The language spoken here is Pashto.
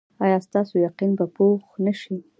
ایا ستاسو یقین به پوخ نه شي؟